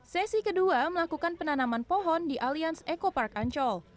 sesi kedua melakukan penanaman pohon di alians eco park ancol